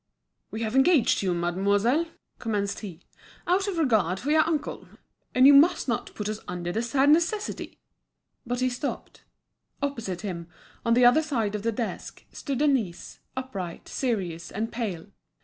"We have engaged you, mademoiselle," commenced he, "out of regard for your uncle, and you must not put us under the sad necessity—" But he stopped. Opposite him, on the other side of the desk, stood Denise, upright, serious, and pale.